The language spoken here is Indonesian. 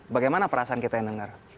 bagaimana perasaan kita yang dengar